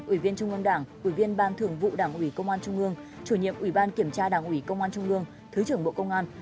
ủy viên trung ương đảng ủy viên ban thường vụ đảng ủy công an trung ương chủ nhiệm ủy ban kiểm tra đảng ủy công an trung ương thứ trưởng bộ công an